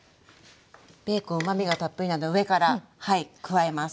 ベーコンはうまみがたっぷりなので上から加えます。